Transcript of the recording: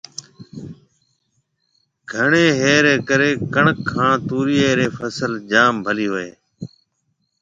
گھڻيَ ھيَََھ رَي ڪرَي ڪڻڪ ھان توريئيَ رِي فصل جام ڀلِي ھوئيَ ھيََََ